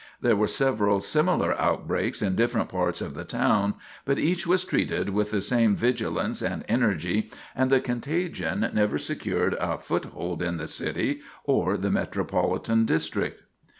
There were several similar outbreaks in different parts of the town, but each was treated with the same vigilance and energy, and the contagion never secured a foothold in the city or the metropolitan district.